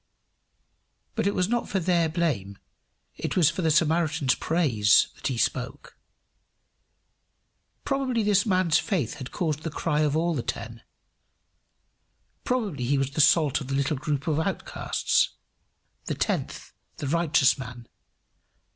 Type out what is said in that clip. But it was not for their blame, it was for the Samaritan's praise that he spoke. Probably this man's faith had caused the cry of all the ten; probably he was the salt of the little group of outcasts the tenth, the righteous man.